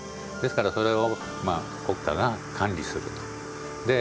ですからそれを国家が管理する。